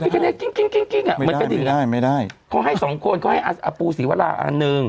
ไม่ได้ไม่ได้ไม่ได้เขาให้สองคนเขาให้อัสอปูศิวราคอันหนึ่ง